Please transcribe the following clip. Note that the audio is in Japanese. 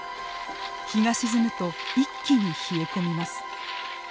日が沈むと一気に冷え込みます。